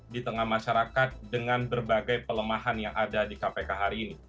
di tengah masyarakat dengan berbagai pelemahan yang ada di kpk hari ini